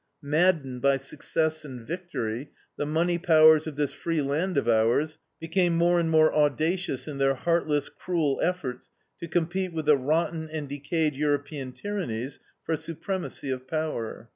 Maddened by success and victory, the money powers of this "free land of ours" became more and more audacious in their heartless, cruel efforts to compete with the rotten and decayed European tyrannies for supremacy of power.